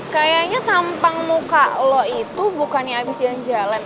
kayaknya tampang muka lo itu bukannya habis jalan jalan